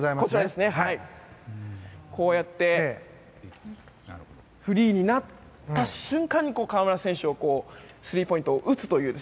こうやってフリーになった瞬間に河村選手がスリーポイントを打つという。